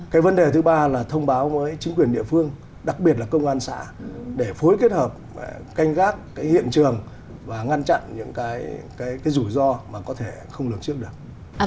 cái vấn đề thứ ba là thông báo với chính quyền địa phương đặc biệt là công an xã để phối kết hợp canh gác cái hiện trường và ngăn chặn những cái rủi ro mà có thể không lường trước được